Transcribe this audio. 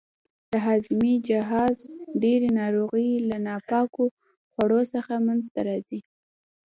د هاضمې د جهاز ډېرې ناروغۍ له ناپاکو خوړو څخه منځته راځي.